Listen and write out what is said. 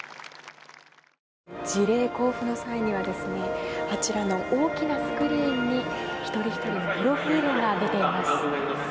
辞令交付の際にはあちらの大きなスクリーンに一人ひとりのプロフィールが出ています。